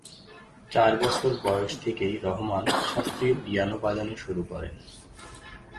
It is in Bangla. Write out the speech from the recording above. চার বছর বয়স থেকেই রহমান শাস্ত্রীয় পিয়ানো বাজানো শুরু করেন।